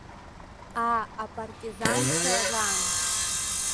Аа, апартизанцәа ран?!